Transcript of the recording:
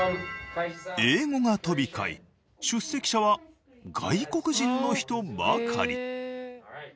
英語が飛び交い出席者は外国人の人ばかり。